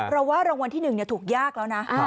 ว่ารางวัลที่๑ถูกยากแล้วนะ